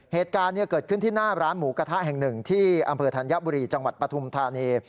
เหตุการณ์เกิดขึ้นที่หน้าร้านหมูกระทะแห่งหนึ่งที่อำเภอธัญบุรีจังหวัดปฐุมธานี